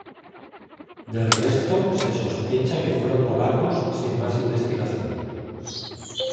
Del resto se "sospecha" que fueron polacos, sin más investigación.